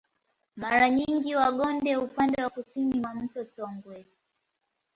Mara nyingi Wagonde upande wa kusini wa mto Songwe